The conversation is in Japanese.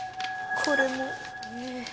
これも。